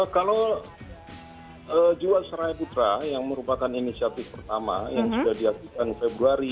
kalau jual saraya putra yang merupakan inisiatif pertama yang sudah diaktifkan februari